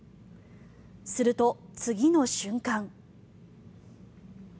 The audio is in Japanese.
すると、次の瞬間。